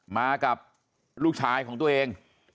มากับลูกชายของตัวเอง